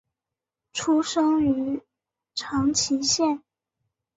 出身于长崎县。